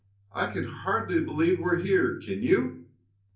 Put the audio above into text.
I can hardly believe we're here, can you?"